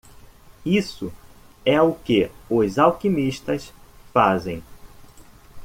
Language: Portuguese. Isso é o que os alquimistas fazem.